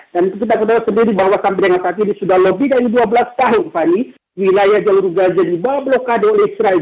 kita ketahui sendiri bahwa sampai dengan saat ini sudah lebih dari dua belas tahun fani wilayah jalur gaza dibawa blokade oleh israel